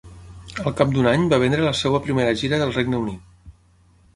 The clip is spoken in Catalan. Al cap d'un any va vendre la seva primera gira del Regne Unit.